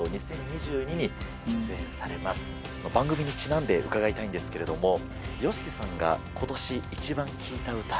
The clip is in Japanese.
番組にちなんで伺いたいんですけれどもＹＯＳＨＩＫＩさんが。